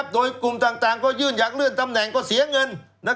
โดยกลุ่มต่างก็ยื่นอยากเลื่อนตำแหน่งก็เสียเงิน